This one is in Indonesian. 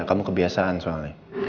kamu kebiasaan soalnya